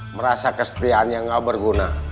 merasa kesetiaannya gak berguna